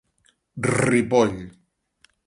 Ripoll.